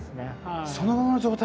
そのままの状態。